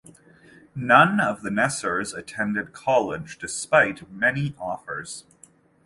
None of the Nessers attended college, despite many offers.